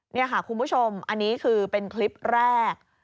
นี่ค่ะคุณผู้ชมอันนี้คือเป็นคลิปแรก